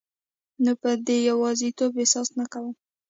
نو به د یوازیتوب احساس نه کوم